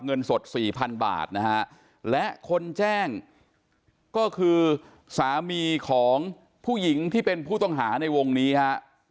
เงินสดสี่พันบาทนะฮะและคนแจ้งก็คือสามีของผู้หญิงที่เป็นผู้ต้องหาในวงนี้ฮะ